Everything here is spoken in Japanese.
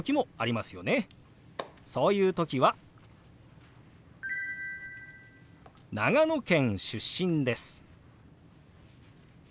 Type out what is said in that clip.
そういう時は「長野県出身です」